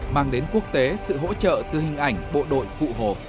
mang đến quốc tế sự hỗ trợ từ hình ảnh bộ đội cụ hồ